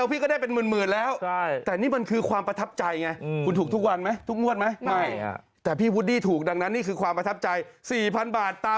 อยากขอบคุณเขา